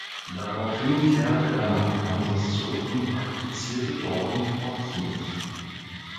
Daraufhin kehrte er nach Arkansas zurück und praktizierte dort in Fort Smith.